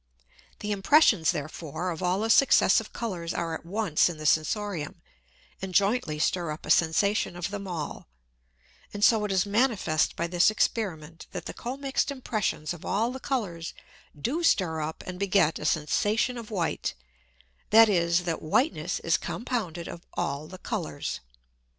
The Impressions therefore of all the successive Colours are at once in the Sensorium, and jointly stir up a Sensation of them all; and so it is manifest by this Experiment, that the commix'd Impressions of all the Colours do stir up and beget a Sensation of white, that is, that Whiteness is compounded of all the Colours.